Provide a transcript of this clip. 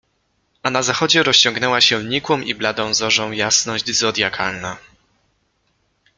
A na zachodzie rozciągnęła się nikłą i bladą zorzą jasność zodyakalna.